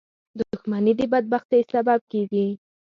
• دښمني د بدبختۍ سبب کېږي.